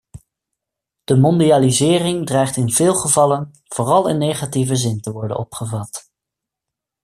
De mondialisering dreigt in veel gevallen vooral in negatieve zin te worden opgevat.